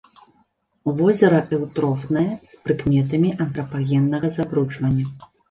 Возера эўтрофнае з прыкметамі антрапагеннага забруджвання.